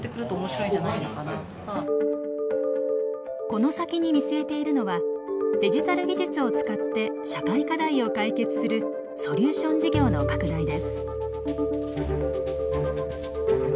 この先に見据えているのはデジタル技術を使って社会課題を解決するソリューション事業の拡大です。